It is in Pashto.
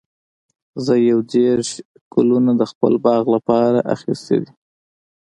زه یو دیرش ګلونه د خپل باغ لپاره اخیستي دي.